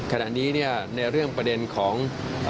ขณะนี้ในเรื่องประเด็นของ